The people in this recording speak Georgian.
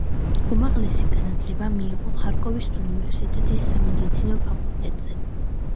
უმაღლესი განათლება მიიღო ხარკოვის უნივერსიტეტის სამედიცინო ფაკულტეტზე.